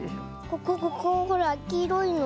ここここほらきいろいの。